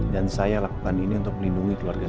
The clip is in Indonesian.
dan saya lakukan ini untuk lindungi keluarga saya